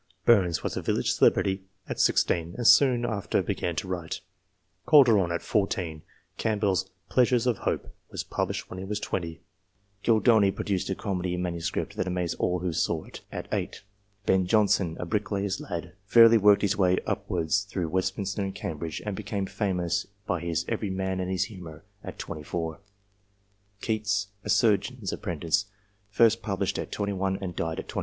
Burns was a village celebrity at 16, and soon after began to write : Calderon at 14. Camp bell's " Pleasures of Hope " was published when he was 20. Goldoni produced a comedy in manuscript that amazed all who saw it, at 8. Ben Jonson, a bricklayer's lad, fairly worked his way upwards through Westminster and Cam bridge, and became famous by his " Every Man in his Humour," at 24. Keats, a surgeon's apprentice, first pub lished at 21 and died at 25.